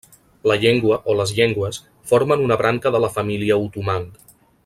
La llengua, o les llengües, formen una branca de la família otomang.